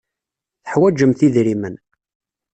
Teḥwajemt idrimen.